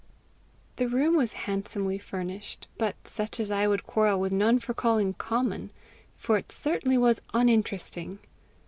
The room was handsomely furnished, but such as I would quarrel with none for calling common, for it certainly was uninteresting.